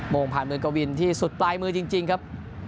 โมงผ่านเมืองกวินที่สุดปลายมือจริงครับ